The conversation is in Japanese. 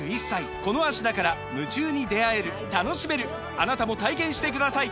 あなたも体験してください！